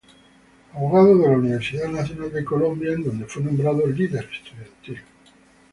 Abogado de la Universidad Nacional de Colombia, en donde fue nombrado líder estudiantil.